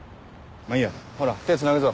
まぁいいやほら手つなぐぞ。